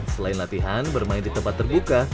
selain latihan bermain di tempat terbuka